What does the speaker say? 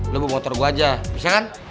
lu buat motor gue aja bisa kan